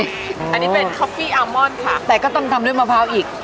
อันนี้เป็นคอฟฟี่อาร์มอนค่ะแต่ก็ต้องทำด้วยมะพร้าวอีก